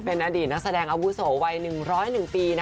เป็นอดีตนักแสดงอาวุโสวัย๑๐๑ปี